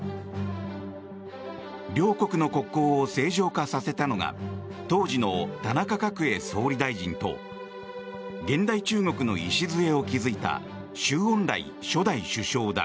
両国の国交を正常化させたのが当時の田中角栄総理大臣と現代中国の礎を築いた周恩来初代首相だ。